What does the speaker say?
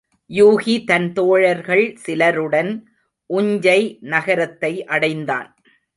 யூகி தன் தோழர்கள் சிலருடன் உஞ்சை நகரத்தை அடைந்தான்.